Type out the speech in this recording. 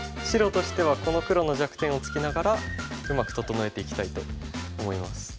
白としてはこの黒の弱点をつきながらうまく整えていきたいと思います。